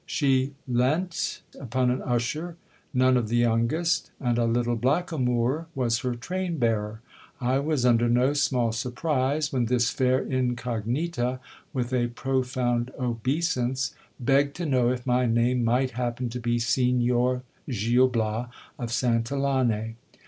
She leant upon an usher, none of the youngest, and a little blackamoor was her train bearer. I was un der no small surprise when this fair incognita, with a profound obeisance, beg ged to know if my name might happen to be Signor Gil Bias of Santillane